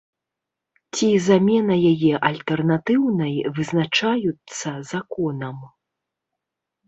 Ці замена яе альтэрнатыўнай вызначаюцца законам.